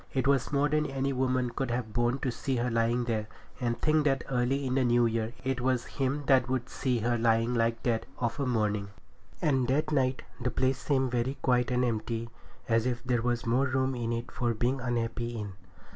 It was more than any woman could have borne to see her lying there, and think that early in the new year it was him that would see her lying like that of a morning. And that night the place seemed very quiet and empty, as if there was more room in it for being unhappy in.